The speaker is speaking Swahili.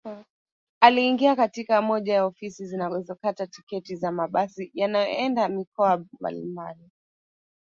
Aliingia katika moja ya ofisi zinazokata tiketi za mabasi yanayoenda mikoa mbalimbali